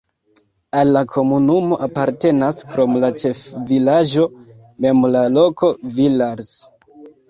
Al la komunumo apartenas krom la ĉefvilaĝo mem la loko Villars.